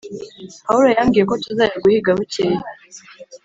pawulo yambwiye ko tuzajya guhiga bukeye.